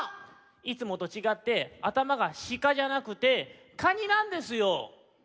いつもとちがってあたまが「しか」じゃなくて「カニ」なんですよ。